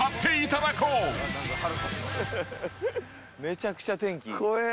めちゃくちゃ天気いい。